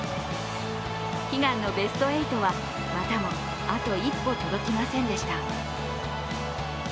悲願のベスト８はまたもあと一歩、届きませんでした。